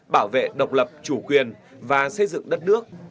bảo vệ độc lập chủ quyền và xây dựng đất nước